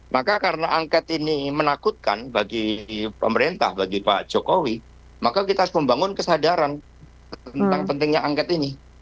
maka karena angket ini menakutkan bagi pemerintah bagi pak jokowi maka kita harus membangun kesadaran tentang pentingnya angket ini